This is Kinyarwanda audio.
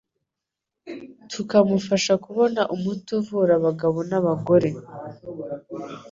tukamufasha kubona umuti uvura abagabo n'abagore